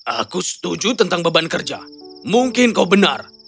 aku setuju tentang beban kerja mungkin kau benar